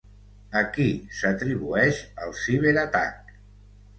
A qui s'atribueix el ciberatac?